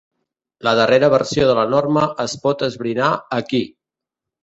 La darrera versió de la norma es pot esbrinar aquí.